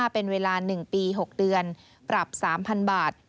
เป็นเวลา๑ปี๖เดือนปรับ๓๐๐๐บาท